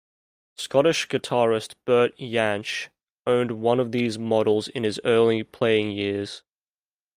Scottish guitarist Bert Jansch owned one of these models in his early playing years.